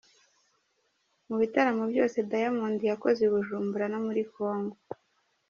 Mu bitaramo byose Diamond yakoze i Bujumbura no muri Congo.